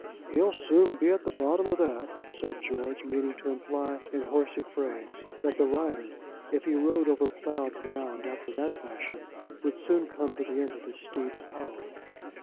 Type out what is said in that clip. "He'll soon be at the bottom of that," said George, meaning to imply in horsey phrase that the rider, if he rode over ploughed ground after that fashion, would soon come to the end of his steed's power.